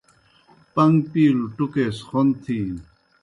پن٘گ پِیلوْ ٹُکے سہ خوْن تِھینوْ۔